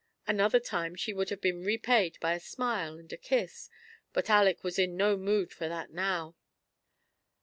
Another time she would have been repaid by a smile and a kiss ; but Aleck was in no mood for that now.